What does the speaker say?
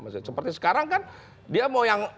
maksudnya seperti sekarang kan dia mau yang